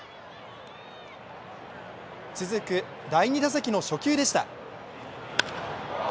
続く第２打席の初球でした。